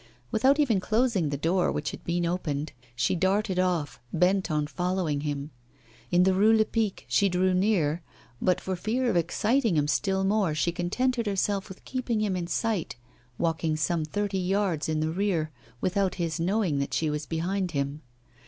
Without even closing the door which had been opened, she darted off, bent on following him. In the Rue Lepic she drew near; but for fear of exciting him still more she contented herself with keeping him in sight, walking some thirty yards in the rear, without his knowing that she was behind him.